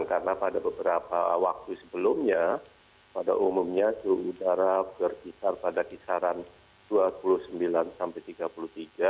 karena pada beberapa waktu sebelumnya pada umumnya suhu udara berkisar pada kisaran dua puluh sembilan sampai tiga puluh tiga